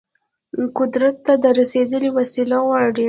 قدرت ته د رسیدل وسيله غواړي.